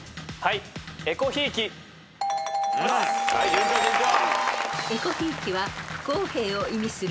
順調順調。